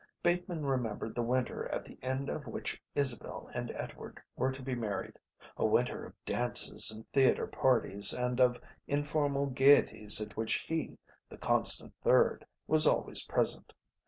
Bateman remembered the winter at the end of which Isabel and Edward were to be married, a winter of dances and theatre parties and of informal gaieties at which he, the constant third, was always present.